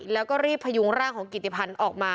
แล้วก็รีบพยุงร่างของกิติพันธ์ออกมา